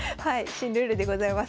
新ルールでございます。